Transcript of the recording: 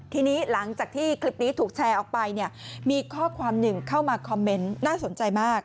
ทีนี้หลังจากที่คลิปนี้ถูกแชร์ออกไปเนี่ยมีข้อความหนึ่งเข้ามาคอมเมนต์น่าสนใจมาก